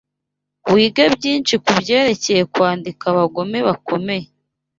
Wige byinshi kubyerekeye kwandika abagome bakomeye